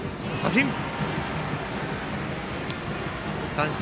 三振。